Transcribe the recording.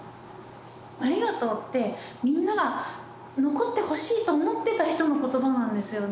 「ありがとう」ってみんなが残ってほしいと思っていた人の言葉なんですよね。